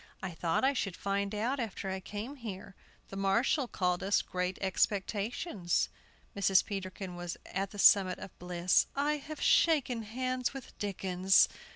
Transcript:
"I thought I should find out after I came here. The marshal called us 'Great Expectations.'" Mrs. Peterkin was at the summit of bliss. "I have shaken hands with Dickens!"